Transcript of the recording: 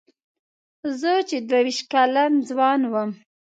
زه چې دوه وېشت کلن ځوان وم.